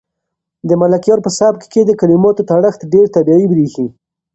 د ملکیار په سبک کې د کلماتو تړښت ډېر طبیعي برېښي.